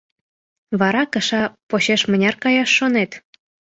— Вара кыша почеш мыняр каяш шонет?